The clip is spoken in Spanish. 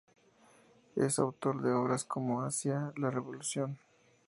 Es autor de obras como "Hacia la revolución.